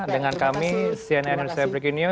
dengan kami cnnn sebrekini